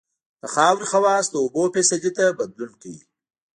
د خاورې خواص د اوبو فیصدي ته بدلون کوي